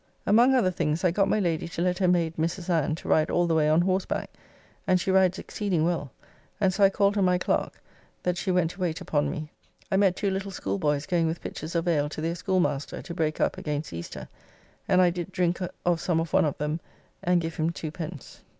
Among other things, I got my Lady to let her maid, Mrs. Anne, to ride all the way on horseback, and she rides exceeding well; and so I called her my clerk, that she went to wait upon me. I met two little schoolboys going with pitchers of ale to their schoolmaster to break up against Easter, and I did drink of some of one of them and give him two pence.